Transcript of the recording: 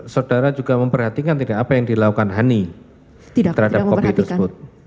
saudara juga memperhatikan tidak apa yang dilakukan hani terhadap kopi tersebut